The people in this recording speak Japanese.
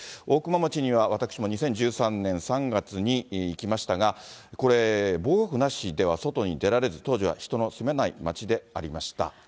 大熊町には私も２０１３年３月に行きましたが、これ、防護服なしでは外に出られず、当時は人の住めない町でありました。